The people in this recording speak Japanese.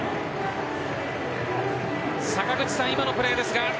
坂口さん、今のプレーですが。